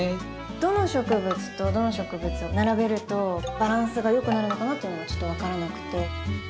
どの植物とどの植物を並べるとバランスがよくなるのかなっていうのがちょっと分からなくて。